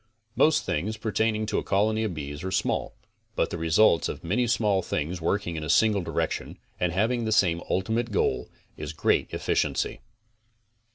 Most things pertaining to a colony of bees are small, but the result of many CONSTRUCTIVE BEEKEEPING 31 small things working in a single direction and having the same ultimate goal, is great efficiency.